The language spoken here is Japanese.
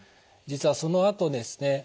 実はそのあとですね